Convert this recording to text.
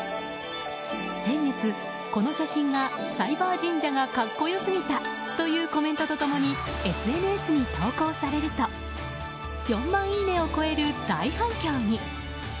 先月、この写真がサイバー神社がカッコ良すぎたというコメントと共にＳＮＳに投稿されると４万いいねを超える大反響に。